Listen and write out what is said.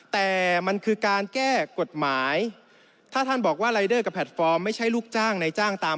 แต่มันคือการแก้กฎหมายถ้าท่านบอกว่ารายเดอร์กับแพลตฟอร์มไม่ใช่ลูกจ้างในจ้างตาม